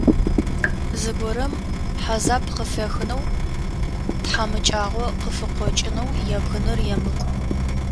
Зыгорэм хьазаб къыфехынэу, тхьамыкӏагъо къыфыкъокӏынэу ебгыныр емыкӏу.